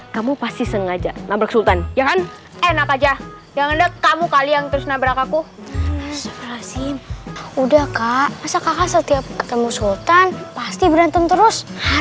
sampai jumpa di video selanjutnya